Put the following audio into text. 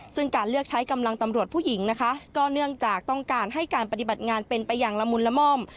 ซึ่งการเลือกใช้กำลังตำรวจผู้หญิงนะคะก็เนื่องจากต้องการให้การปฏิบัติงานเป็นไปอย่างละมุนละม่อม